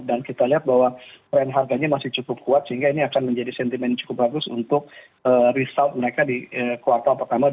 dan kita lihat bahwa trend harganya masih cukup kuat sehingga ini akan menjadi sentimen cukup bagus untuk result mereka di kuartal pekanama dua ribu dua puluh tiga